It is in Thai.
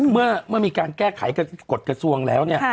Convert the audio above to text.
เมื่อมีการแก้ไขกฎกระทรวงแล้วเนี่ย